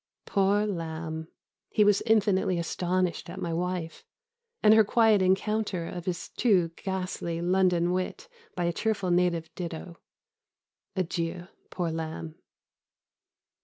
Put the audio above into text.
Poor Lamb! he was infinitely astonished at my wife, and her quiet encounter of his too ghastly London wit by a cheerful native ditto. Adieu! poor Lamb!"